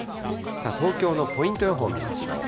東京のポイント予報を見ましょう。